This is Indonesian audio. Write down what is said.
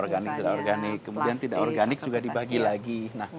organik tidak organik kemudian tidak organik juga dibagi lagi